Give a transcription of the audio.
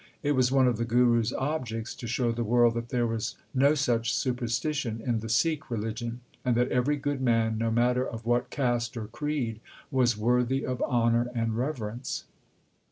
It was one of the Guru s objects to show the world that there was no such superstition in the Sikh religion, and that every good man, no matter of what caste or creed, was worthy of honour and reverence.